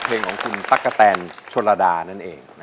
เพลงของคุณตั๊กกะแตนชนระดานั่นเอง